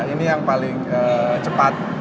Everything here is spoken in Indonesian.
ini yang paling cepat